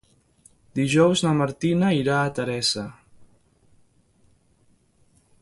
Dijous na Martina irà a Teresa.